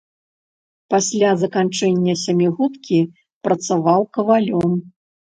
Пасля заканчэння сямігодкі працаваў кавалём.